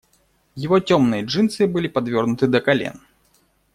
Его темные джинсы были подвёрнуты до колен.